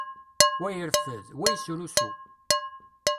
Wa ireffed, wa yesrusu.